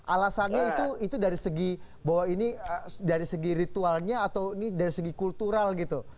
alasannya itu dari segi ritualnya atau dari segi kultural gitu